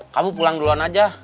kamu pulang duluan aja